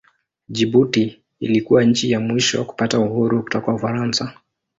Jibuti ilikuwa nchi ya mwisho kupata uhuru kutoka Ufaransa.